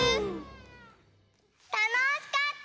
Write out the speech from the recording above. たのしかった！